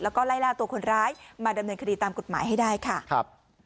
แล้วก็ไล่ล่าตัวคนร้ายมาดำเนินคดีตามกฎหมายให้ได้ค่ะครับ